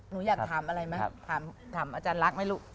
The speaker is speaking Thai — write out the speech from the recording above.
หนูอยากถามอะไรไหมถามอาจารย์รักไหมลูก